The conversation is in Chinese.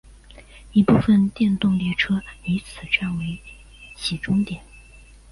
一部分电动列车以此站为起终点。